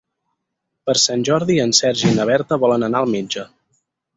Per Sant Jordi en Sergi i na Berta volen anar al metge.